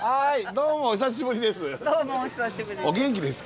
どうもお久しぶりです。